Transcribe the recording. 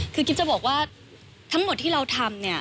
คือกิ๊บจะบอกว่าทั้งหมดที่เราทำเนี่ย